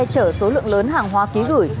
trở số lượng lớn hàng hóa ký gửi